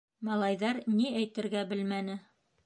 Малайҙар ни әйтергә белмәне.